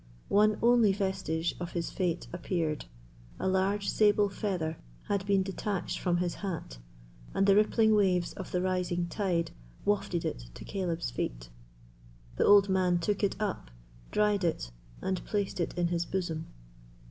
One only vestige of his fate appeared. A large sable feather had been detached from his hat, and the rippling waves of the rising tide wafted it to Caleb's feet. The old man took it up, dried it, and placed it in his bosom.